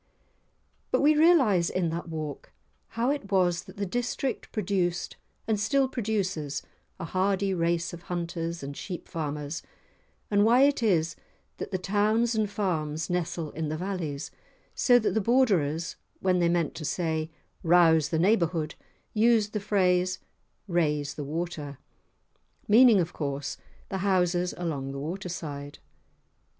But we realise in that walk how it was that the district produced and still produces a hardy race of hunters and sheep farmers, and why it is that the towns and farms nestle in the valleys, so that the Borderers, when they meant to say, "Rouse the neighbourhood," used the phrase, "Raise the water" (meaning, of course, the houses along the waterside).